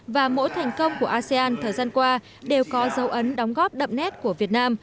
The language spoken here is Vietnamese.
và mỗi thành công của asean thời gian qua đều có dấu ấn đóng góp đậm nét của việt nam